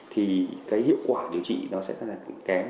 thì cái hiệu quả điều trị nó sẽ rất là kém